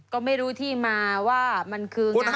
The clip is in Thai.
ก็ไม่รู้ที่มาว่ามันคืองานอกอะไร